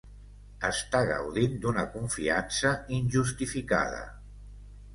Està gaudint d'una confiança injustificada.